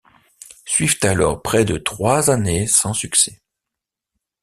Suivent alors près de trois années sans succès.